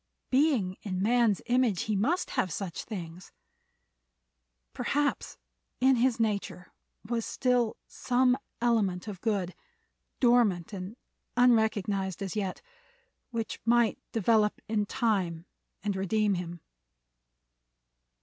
Being in man's image he must have such things. Perhaps in his nature was still some element of good, dormant and unrecognized as yet, which might develop in time and redeem him.